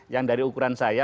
yang dari ukuran saya